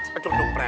pecuk dung prap